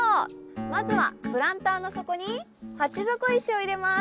まずはプランターの底に鉢底石を入れます。